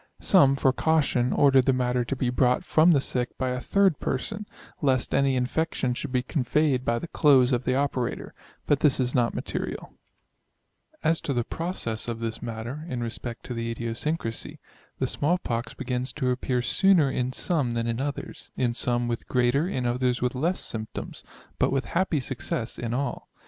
Some, for caution, order the matter to be brought from the sick by a 3d person, lest any infection should be conveyed by the clothes of the operator; but this is not material. VOL. VI. N pO PHILOSOPHICAL TRANSACTIONS, [aNNO 1714. As to the process of this matter, in respect of the idiosyncrasy ; the small pox begins to appear sooner in some than in others, in some with greater, in others with less symptoms ; but with happy success in all.